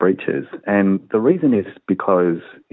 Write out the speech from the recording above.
dan alasannya adalah karena